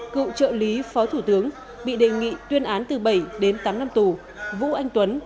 cựu trợ lý phó thủ tướng bị đề nghị tuyên án từ bảy đến tám năm tù vũ anh tuấn